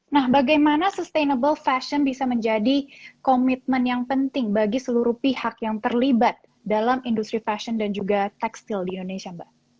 nah bagaimana sustainable fashion bisa menjadi komitmen yang penting bagi seluruh pihak yang terlibat dalam industri fashion dan juga tekstil di indonesia mbak